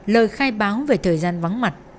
lời khai báo về thời gian vắng mặt